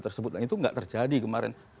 tersebut dan itu nggak terjadi kemarin